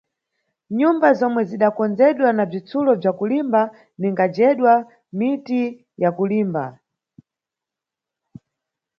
Nyumba zomwe zidakondzedwa na bzitsulo bza kulimba ninga njedwa, miti ya kulimba.